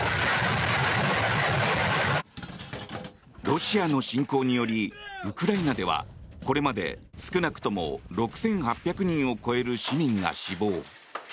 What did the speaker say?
ロシアの侵攻によりウクライナでは、これまで少なくとも６８００人を超える市民が死亡。